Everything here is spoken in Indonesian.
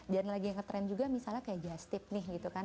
dan lagi yang ngetrend juga misalnya kayak just tip nih gitu kan